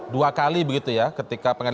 dua kali begitu ya ketika